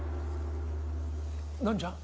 何じゃ。